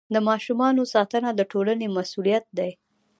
د ماشومانو ساتنه د ټولنې مسؤلیت دی.